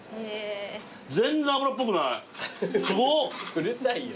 うるさいよ。